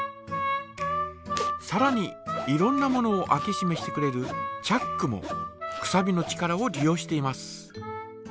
さらにいろんなものを開けしめしてくれるチャックもくさびの力を利用しています。